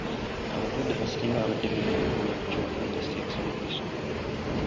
Abazadde abasinga b'abadde bemulugunya ku ky'okulinyisa ebisale by'essomero.